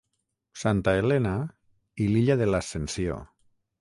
Santa Helena i l'illa de l'Ascensió.